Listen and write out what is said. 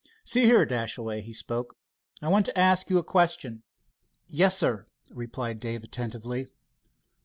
"See here, Dashaway," he spoke, "I want to ask you a question." "Yes, sir," replied Dave attentively.